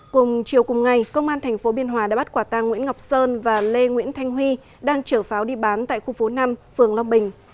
cùng chiều cùng ngày công an tp biên hòa đã bắt quả tang nguyễn ngọc sơn và lê nguyễn thanh huy đang chở pháo đi bán tại khu phố năm phường long bình